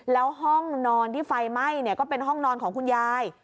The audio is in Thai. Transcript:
แล้วห้องนอนที่ไฟไหม้ก็เป็นห้องนอนของคุณยาย